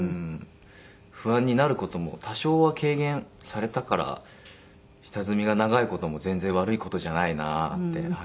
不安になる事も多少は軽減されたから下積みが長い事も全然悪い事じゃないなって。